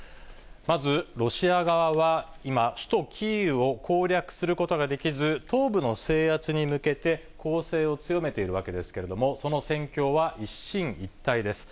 まず、ロシア側は今、首都キーウを攻略することができず、東部の制圧に向けて、攻勢を強めているわけですけれども、その戦況は一進一退です。